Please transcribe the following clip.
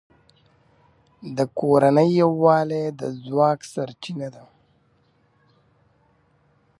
د کورنۍ یووالی د ځواک سرچینه ده.